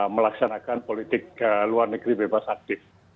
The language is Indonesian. melaksanakan politik luar negeri bebas aktif